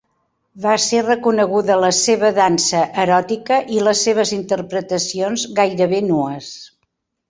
Va ser reconeguda la seva dansa eròtica i les seves interpretacions gairebé nues.